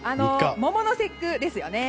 桃の節句ですよね。